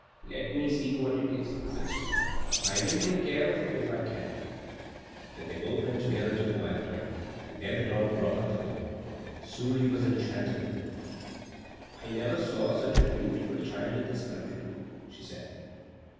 "Let me see what it is," said Suri, "I will take care of it if I can." Then they both went together to the wide plain, and there the dog brought up the boy. Suri was enchanted with him. "I never saw such a beautiful child in this country," she said.